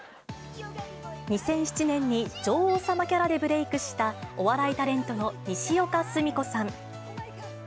２００７年に女王様キャラでブレークした、お笑いタレントのにしおかすみこさん。